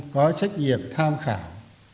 có trách nhiệm tham khảo